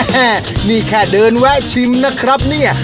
แม่นี่แค่เดินแวะชิมนะครับเนี่ย